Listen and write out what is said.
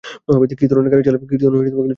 কী ধরণের গাড়ি চালায় যেন?